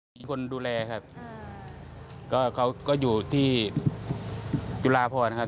มีคนดูแลครับก็เขาก็อยู่ที่จุฬาพรครับ